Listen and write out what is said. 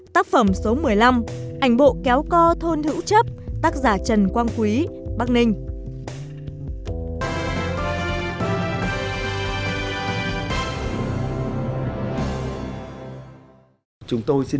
tác phẩm số một mươi năm ảnh bộ kéo co thôn hữu chấp tác giả trần quang quý bắc ninh